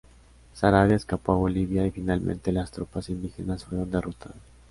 Saravia escapó a Bolivia y finalmente las tropas indígenas fueron derrotadas.